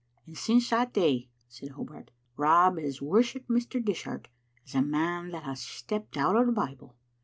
'" "And since that day," said Hobart, "Rob has wor shipped Mr. Dishart as a man that has stepped out o' the Bible.